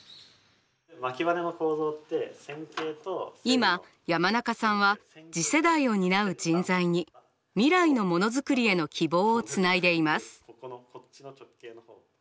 今山中さんは次世代を担う人材に未来のモノづくりへの希望をつないでいます。